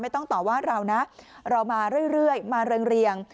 ต้องต่อว่าเรานะเรามาเรื่อยมาเรียง